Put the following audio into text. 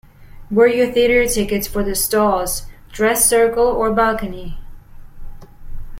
Were your theatre tickets for the stalls, dress circle or balcony?